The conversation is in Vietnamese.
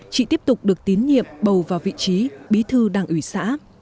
chị tiếp tục được tín nhiệm bầu vào vị trí bí thư đảng ủy xã